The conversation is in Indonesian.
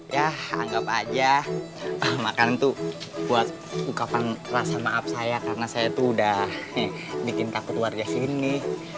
ya anggap aja makanan itu buat ungkapan rasa maaf saya karena saya tuh udah bikin takut warga sini